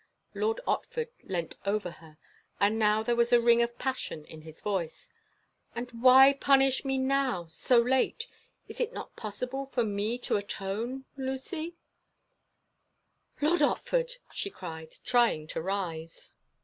Lord Otford leant over her, and now there was a ring of passion in his voice. "And why punish me now, so late? Is it not possible for me to atone—Lucy?" "Lord Otford!" she cried, trying to rise.